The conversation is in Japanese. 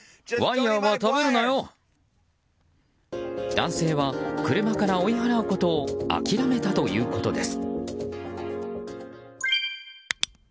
男性は車から追い払うことを諦めたということです。